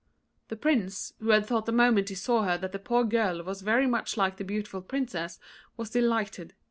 The Prince, who had thought the moment he saw her that the poor girl was very much like the beautiful Princess, was delighted.